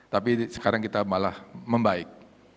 tapi sekarang kita malah membaik